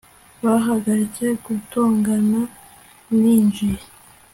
Bahagaritse gutongana ninjiye